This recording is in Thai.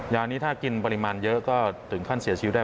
ยานี้ถ้ากินปริมาณเยอะก็ถึงขั้นเสียชีวิตได้